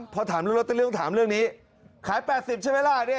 พอถามเรื่องนี้ขาย๘๐เช่นเวลา